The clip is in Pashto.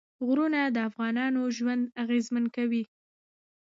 غرونه د افغانانو ژوند اغېزمن کوي.